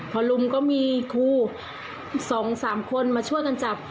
พอรุมก็มีครูสองสามคนมาช่วยกันจับ